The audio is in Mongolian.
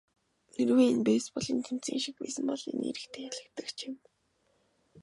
Хэрвээ энэ бейсболын тэмцээн шиг байсан бол энэ эрэгтэй ялагдагч юм.